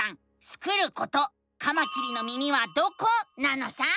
スクること「カマキリの耳はどこ？」なのさ！